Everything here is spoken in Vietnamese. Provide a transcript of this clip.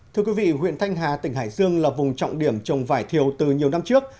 thưa quý vị huyện thanh hà tỉnh hải dương là vùng trọng điểm trồng vải thiều từ nhiều năm trước